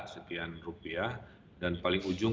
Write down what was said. sekian rupiah dan paling ujung